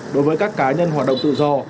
đối với các cá nhân hoạt động tự do